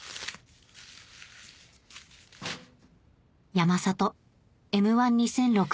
山里『Ｍ−１』２００６